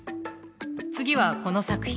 次はこの作品。